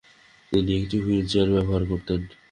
তিনি একটি wheelchair ব্যবহার করতেন।